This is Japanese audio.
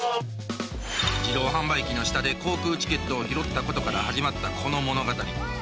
自動販売機の下で航空チケットを拾ったことから始まったこの物語。